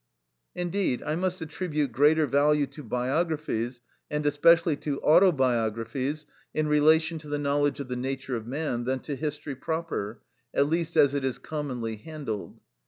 Indeed I must attribute greater value to biographies, and especially to autobiographies, in relation to the knowledge of the nature of man, than to history proper, at least as it is commonly handled.